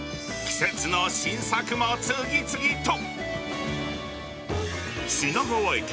季節の新作も次々と。